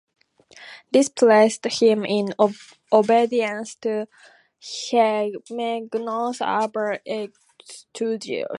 This placed him in obedience to Hegumenos Abba Eustorgius.